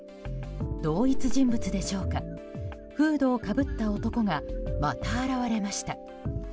同一人物でしょうかフードをかぶった男がまた現れました。